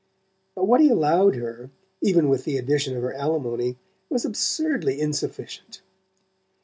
But what he allowed her, even with the addition of her alimony, was absurdly insufficient.